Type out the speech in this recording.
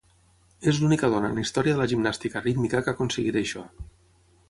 És l'única dona en la història de la gimnàstica rítmica que ha aconseguit això.